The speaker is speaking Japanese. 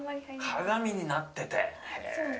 鏡になってて。